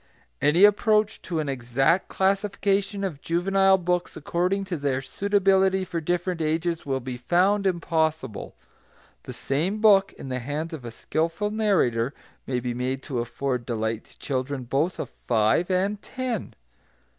Any approach to an exact classification of juvenile books according to their suitability for different ages will be found impossible. The same book in the hands of a skilful narrator may be made to afford delight to children both of five and ten.